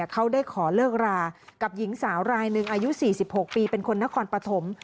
เขาได้ขอเลิกรากับหญิงสาวรายหนึ่งอายุ๔๖ปีเป็นคนนครปฐม